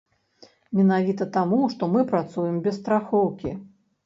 Менавіта таму, што мы працуем без страхоўкі.